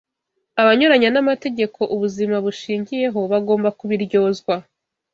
Abanyuranya n’amategeko ubuzima bushingiyeho, bagomba kubiryozwa.